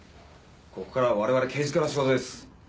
ここから我々刑事課の仕事です。